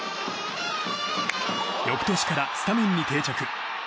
翌年からスタメンに定着。